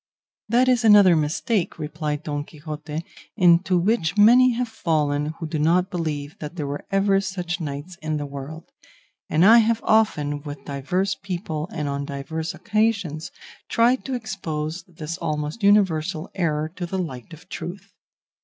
"That is another mistake," replied Don Quixote, "into which many have fallen who do not believe that there ever were such knights in the world, and I have often, with divers people and on divers occasions, tried to expose this almost universal error to the light of truth.